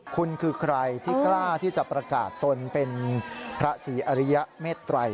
คุณคือใครที่กล้าที่จะประกาศตนเป็นพระศรีอริยเมตรัย